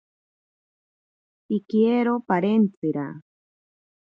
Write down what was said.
Pikiero parentsira.